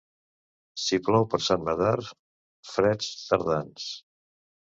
Si plou per Sant Medard, freds tardans.